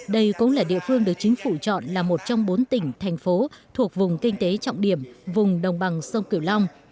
đây cũng là địa phương được chính phủ chọn là một trong bốn tỉnh thành phố thuộc vùng kinh tế trọng điểm vùng đồng bằng sông cửu long